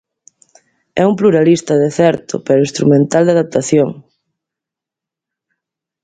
É un pluralista, de certo, pero instrumental, de adaptación.